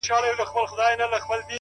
• انسان حیوان دی، حیوان انسان دی،